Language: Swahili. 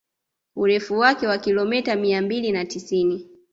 Urefu wake wa kilomita mia mbili na tisini